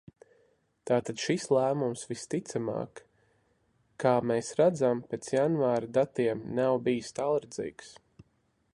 Tātad šis lēmums, visticamāk, kā mēs redzam pēc janvāra datiem, nav bijis tālredzīgs.